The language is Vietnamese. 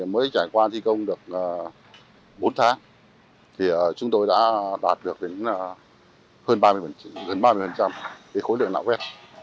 đến nay mới trải qua thi công được bốn tháng chúng tôi đã đạt được hơn ba mươi khối lượng nạo vết